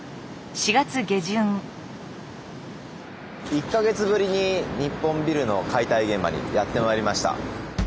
１か月ぶりに日本ビルの解体現場にやって参りました。